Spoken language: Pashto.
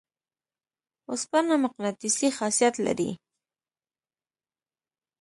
اوسپنه مقناطیسي خاصیت لري.